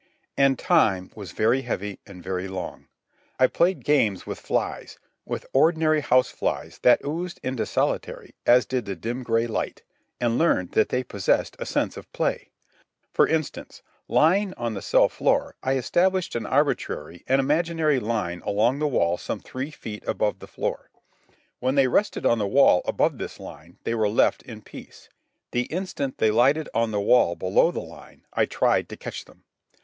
And time was very heavy and very long. I played games with flies, with ordinary house flies that oozed into solitary as did the dim gray light; and learned that they possessed a sense of play. For instance, lying on the cell floor, I established an arbitrary and imaginary line along the wall some three feet above the floor. When they rested on the wall above this line they were left in peace. The instant they lighted on the wall below the line I tried to catch them.